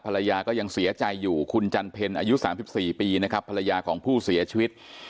ภรรยาก็ยังเสียใจอยู่คุณจันเพ็ญอายุ๓๔ปีนะครับภรรยาของผู้เสียชีวิต